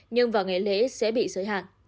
nhưng vào ngày lễ sẽ bị giới hạn